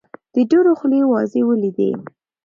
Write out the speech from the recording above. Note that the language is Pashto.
د ډېرو خولې وازې ولیدې.